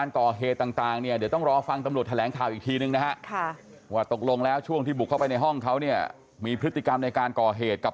คุณนายเขามองไหมครับ